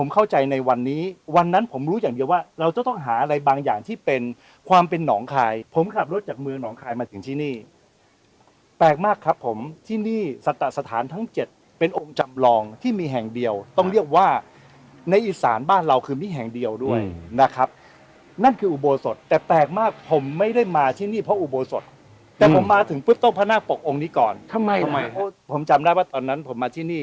เข้าใจในวันนี้วันนั้นผมรู้อย่างเดียวว่าเราจะต้องหาอะไรบางอย่างที่เป็นความเป็นน้องคลายผมขับรถจากเมืองน้องคลายมาถึงที่นี่แปลกมากครับผมที่นี่สถานทั้งเจ็ดเป็นองค์จำลองที่มีแห่งเดียวต้องเรียกว่าในอิสานบ้านเราคือมีแห่งเดียวด้วยนะครับนั่นคืออุโบสถแต่แปลกมากผมไม่ได้มาที่นี่เพราะอุโบสถแต่ผมมาถึงปุ๊บต้